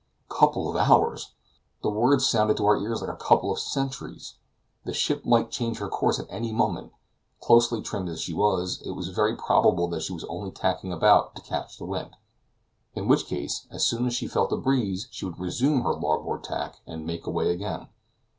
A couple of hours! The words sounded to our ears like a couple of centuries. The ship might change her course at any moment; closely trimmed as she was, it was very probable that she was only tacking about to catch the wind, in which case, as soon as she felt a breeze, she would resume her larboard tack and make away again.